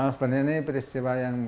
sebenarnya ini peristiwa yang